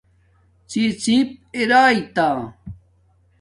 ڎی ڎیپ ارئئ تا